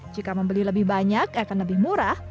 jika membeli lebih banyak akan lebih murah